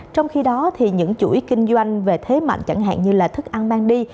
trong khi đó những chuỗi kinh doanh về thế mạnh chẳng hạn như thức ăn mang đi